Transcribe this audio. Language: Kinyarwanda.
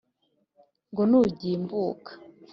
ngo nugimbuka